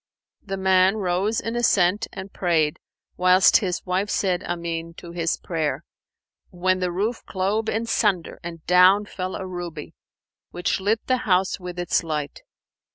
The man rose in assent and prayed, whilst his wife said, "Amen," to his prayer, when the roof clove in sunder and down fell a ruby, which lit the house with its light.